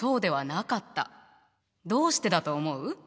どうしてだと思う？